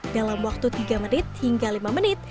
dalam waktu tiga menit hingga lima menit